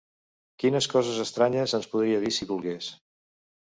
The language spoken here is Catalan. Quines coses estranyes ens podria dir si volgués!